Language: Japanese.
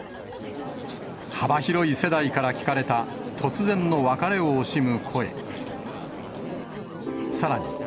幅広い世代から聞かれた、突然の別れを惜しむ声。